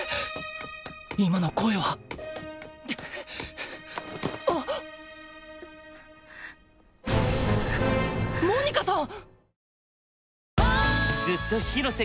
今の声はモニカさん！